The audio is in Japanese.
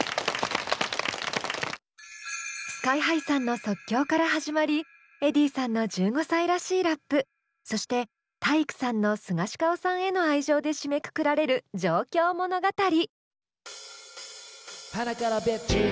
ＳＫＹ−ＨＩさんの即興から始まりｅｄｈｉｉｉさんの１５歳らしいラップそして体育さんのスガシカオさんへの愛情で締めくくられる上京物語。